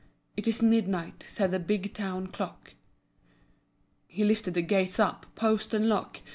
("It is midnight," said the big town clock.) He lifted the gates up, post and lock.